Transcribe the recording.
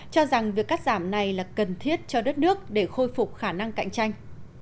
cho rằng việc cắt giảm này là cần thiết cho đất nước để khôi phục khả năng cạnh tranh